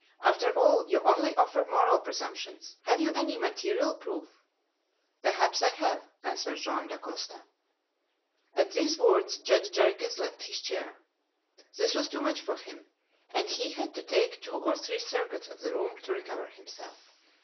After all, you only offer moral presumptions. Have you any material proof?" "Perhaps I have," answered Joam Dacosta. At these words, Judge Jarriquez left his chair. This was too much for him, and he had to take two or three circuits of the room to recover himself.